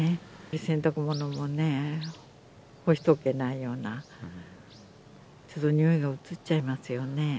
洗濯物もね、干しておけないような、ちょっとにおいがうつっちゃいますよね。